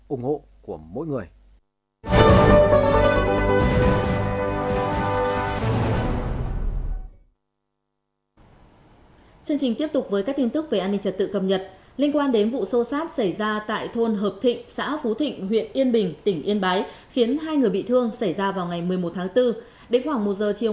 ủng hộ của mỗi người